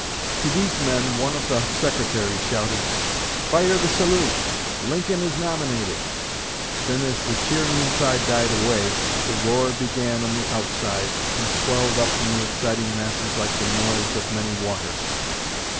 To these men one of the secretaries shouted: 'Fire the salute! Lincoln is nominated!' Then, as the cheering inside died away, the roar began on the outside, and swelled up from the excited masses like the noise of many waters.